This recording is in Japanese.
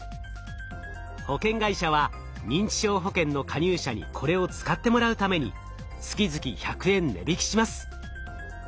保険会社は認知症保険の加入者にこれを使ってもらうために月々１００円値引きします。